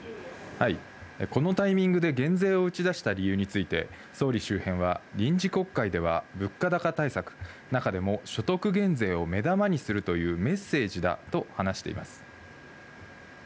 このタイミングで減税を打ち出した理由について、総理周辺は臨時国会では物価高対策、中でも所得減税を目玉にするというメッセージだと話しています。